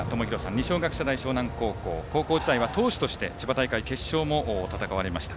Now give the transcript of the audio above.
二松学舎大沼南高校高校時代は投手として千葉大会決勝も戦われました。